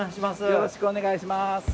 よろしくお願いします